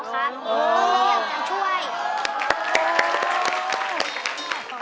ผมเลยอยากจะช่วย